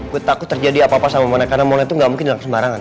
gue takut terjadi apa apa sama mona karena mona tuh gak mungkin hilang ke semarangan